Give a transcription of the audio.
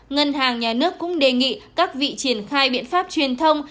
ngân hàng nhà nước cũng đề nghị các vị triển khai biện pháp truyền thông